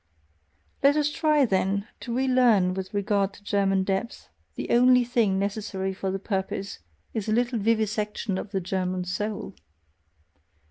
Let us try, then, to relearn with regard to German depth; the only thing necessary for the purpose is a little vivisection of the German soul.